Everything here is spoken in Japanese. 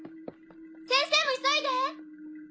先生も急いで！